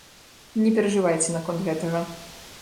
Не перажывайце наконт гэтага.